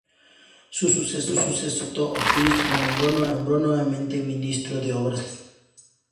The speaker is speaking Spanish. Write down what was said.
Su sucesor, Roberto M. Ortiz, lo nombró nuevamente ministro de Obras Públicas.